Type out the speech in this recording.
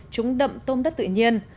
chúng đậm tôm đất tự nhiên